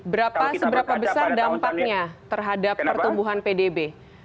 berapa seberapa besar dampaknya terhadap pertumbuhan pdb